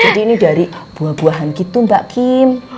jadi ini dari buah buahan gitu mbak kim